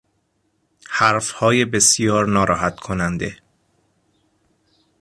حرفهای بسیار ناراحت کننده